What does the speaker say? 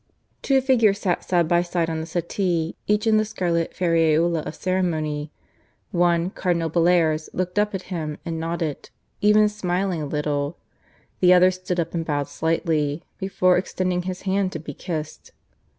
Two figures sat side by side on the settee, each in the scarlet ferraiuola of ceremony. One, Cardinal Bellairs, looked up at him and nodded, even smiling a little; the other stood up and bowed slightly, before extending his hand to be kissed.